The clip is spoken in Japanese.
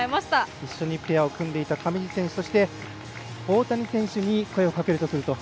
一緒にペアを組んでいた上地選手そして、大谷選手に声をかけるとすると？